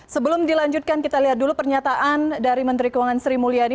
sebelum dilanjutkan kita lihat dulu pernyataan dari menteri keuangan sri mulyani